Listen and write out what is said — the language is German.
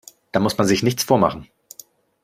Da muss man sich nichts vormachen.